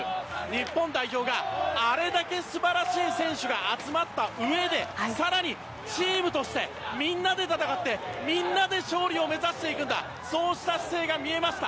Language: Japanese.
日本代表があれだけ素晴らしい選手が集まったうえで更にチームとしてみんなで戦ってみんなで勝利を目指していくんだそうした姿勢が見えました。